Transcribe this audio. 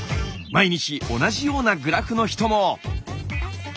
毎日同じようなグラフの人も。